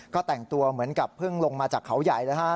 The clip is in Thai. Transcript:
ก็แต่งตัวเหมือนกับเพิ่งลงมาจากเขาใหญ่นะฮะ